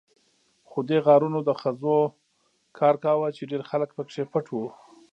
خو دې غارونو د خزو کار کاوه، چې ډېر خلک پکې پټ وو.